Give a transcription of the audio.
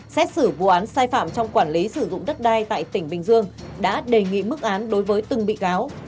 xét xử vụ án sai phạm trong quản lý sử dụng đất đai tại tỉnh bình dương đã đề nghị mức án đối với từng bị cáo